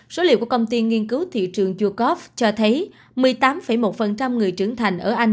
số liệu của công ty nghiên cứu thị trường chucof cho thấy một mươi tám một người trưởng thành ở anh